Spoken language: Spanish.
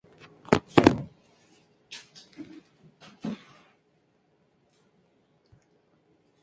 La climatología varía mucho de la costa a las cimas.